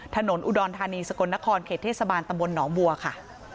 ถนนอุดรธานีสกลนครเขตเทศบาลตำบลหนองบัวค่ะ